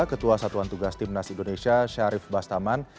ketua satuan tugas timnas indonesia syarif bastaman